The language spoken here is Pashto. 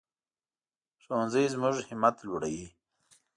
ښوونځی زموږ همت لوړوي